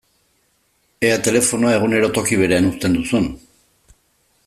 Ea telefonoa egunero toki berean uzten duzun!